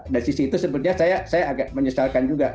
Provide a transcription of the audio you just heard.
dari sisi itu sebetulnya saya agak menyesalkan juga